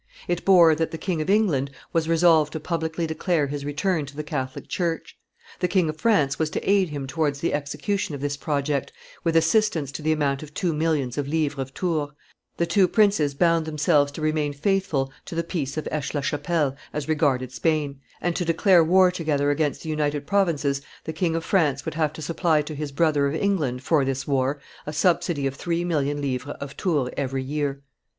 it bore that the King of England was resolved to publicly declare his return to the Catholic church; the King of France was to aid him towards the execution of this project with assistance to the amount of two millions of livres of Tours; the two princes bound themselves to remain faithful to the peace of Aix la Chapelle as regarded Spain, and to declare war together against the United Provinces the King of France would have to supply to his brother of England, for this war, a subsidy of three million livres of Tours every year.